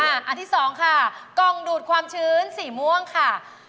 อันที่๒ค่ะกองดูดความชื้นสีม่วงค่ะ